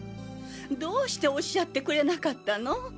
どうしておっしゃってくれなかったの？